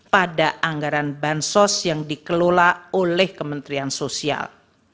pada anggaran bahan sos yang dikelola oleh kementrian sosial